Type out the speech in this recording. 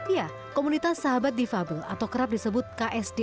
ya komunitas sahabat divabel atau kerap disebut ksd ini